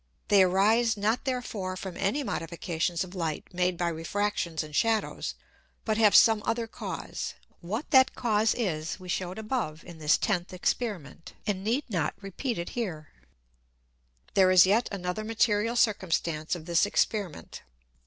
They arise not therefore from any Modifications of Light made by Refractions and Shadows, but have some other Cause. What that Cause is we shewed above in this tenth Experiment, and need not here repeat it. There is yet another material Circumstance of this Experiment.